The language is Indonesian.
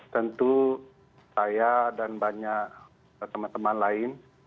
tentu saya dan banyak teman teman lain